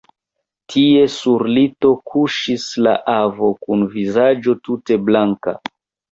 Tie sur lito kuŝis la avo, kun vizaĝo tute blanka.